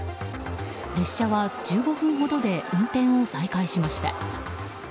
列車は１５分ほどで運転を再開しました。